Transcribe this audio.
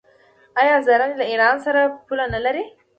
آیا زرنج له ایران سره پوله نلري؟